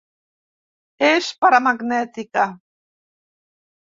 És paramagnètica.